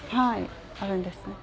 あるんですね。